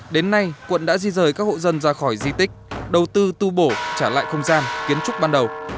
đến nay quận đã di rời các hộ dân ra khỏi di tích đầu tư tu bổ trả lại không gian kiến trúc ban đầu